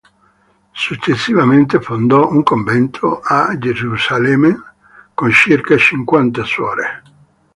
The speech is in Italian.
Successivamente fondò un convento a Gerusalemme con circa cinquanta suore.